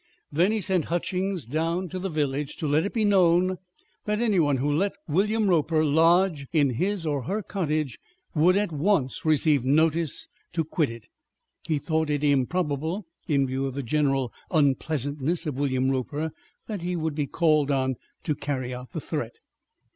Then he sent Hutchings down to the village to let it be known that any one who let William Roper lodge in his or her cottage would at once receive notice to quit it. He thought it improbable, in view of the general unpleasantness of William Roper, that he would be called on to carry out the threat.